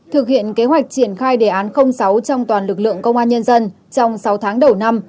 thực hiện kế hoạch triển khai đề án sáu trong toàn lực lượng công an nhân dân trong sáu tháng đầu năm